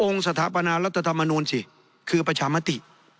สถาปนารัฐธรรมนูลสิคือประชามติ